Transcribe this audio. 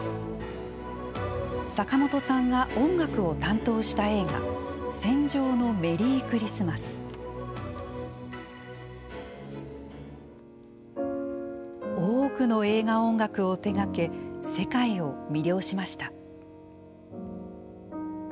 坂本さんが音楽を担当した映画「戦場のメリークリスマス」。多くの映画音楽を手がけ世界を魅了しました。